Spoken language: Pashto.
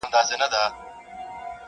چي يې زړونه سوري كول د سركښانو!